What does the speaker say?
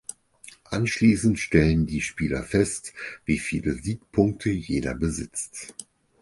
Anschließend stellen die Spieler fest wie viele Siegpunkte jeder besitzt.